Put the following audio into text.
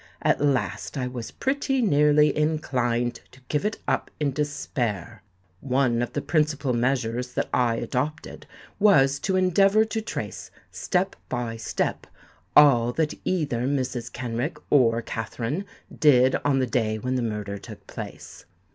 At last I was pretty nearly inclined to give it up in despair. One of the principal measures that I adopted was to endeavour to trace, step by step, all that either Mrs. Kenrick or Katherine did on the day when the murder took place.